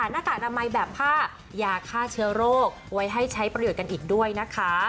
หน้ากากอนามัยแบบผ้ายาฆ่าเชื้อโรคไว้ให้ใช้ประโยชน์กันอีกด้วยนะคะ